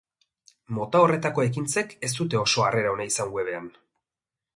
Mota horretako ekintzek ez dute oso harrera ona izan web-ean.